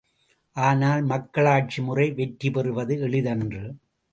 ஆனால், மக்களாட்சி முறை வெற்றி பெறுவது எளிதன்று.